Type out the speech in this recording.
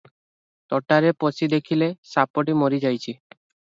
ତୋଟାରେ ପଶି ଦେଖିଲେ ସାପଟି ମରି ଯାଇଛି ।